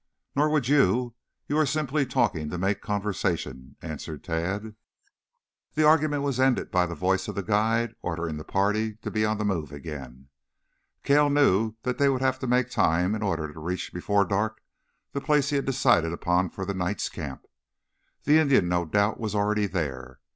"Nor would you. You are simply talking to make conversation," answered Tad. The argument was ended by the voice of the guide ordering the party to be on the move again. Cale knew that they would have to make time in order to reach before dark the place he had decided upon for the night's camp. The Indian, no doubt, was already there.